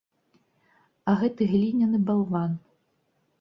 А гэты гліняны балван!